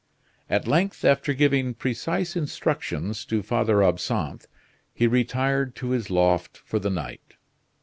At length, after giving precise instructions to Father Absinthe, he retired to his loft for the night.